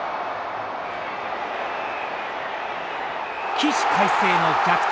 起死回生の逆転